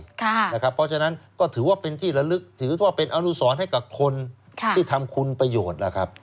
เพราะฉะนั้นก็ถือว่าเป็นที่ละลึกถือว่าเป็นอนุสรให้กับคนที่ทำคุณประโยชน์ล่ะครับ